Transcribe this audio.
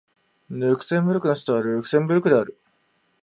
ルクセンブルクの首都はルクセンブルクである